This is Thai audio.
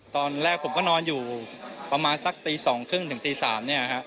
ตอนแรกผมก็นอนอยู่ประมาณสักตี๒๓๐ถึงตี๓เนี่ยฮะ